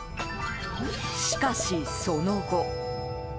しかし、その後。